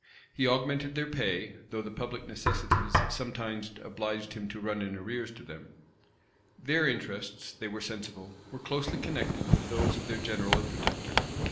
He augmented their pay; though the public necessities sometimes obliged him to run in arrears to them. Their interests, they were sensible, were closely connected with those of their general and protector.